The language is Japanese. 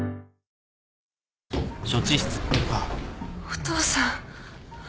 お父さん！